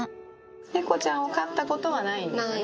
猫ちゃんを飼ったことはないんですね？